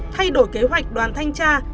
thay đổi kế hoạch đoàn thanh tra